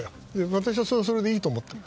私はそれはそれでいいと思ってる。